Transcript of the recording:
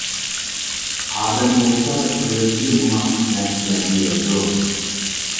ئادەم بولسا ئۆزىگە مۇناسىپ نەرسىلەرنى يەيدۇ.